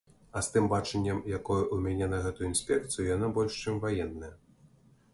А з тым бачаннем, якое ў мяне на гэтую інспекцыю, яна больш, чым ваенная.